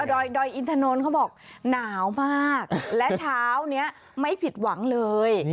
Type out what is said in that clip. ดอยอินทนนท์เขาบอกหนาวมากและเช้านี้ไม่ผิดหวังเลย